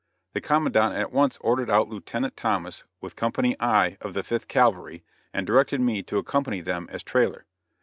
The commandant at once ordered out Lieutenant Thomas with Company I of the Fifth Cavalry, and directed me to accompany them as trailer.